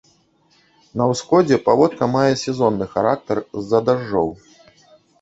На ўсходзе паводка мае сезонны характар з-за дажджоў.